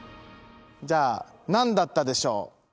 じゃあ何だったでしょう？